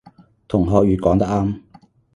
同學乙講得啱